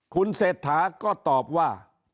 คุณเศรษฐาก็ตอบว่า